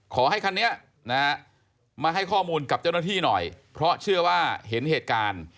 คันนี้นะฮะมาให้ข้อมูลกับเจ้าหน้าที่หน่อยเพราะเชื่อว่าเห็นเหตุการณ์